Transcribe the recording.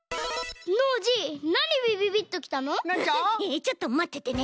えちょっとまっててね。